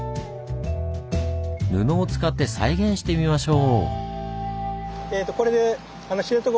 布を使って再現してみましょう！